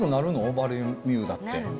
バルミューダって。